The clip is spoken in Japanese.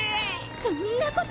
そんなこと！